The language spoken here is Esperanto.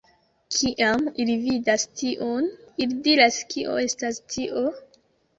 Kiam ili vidas tion, ili diras kio estas tio?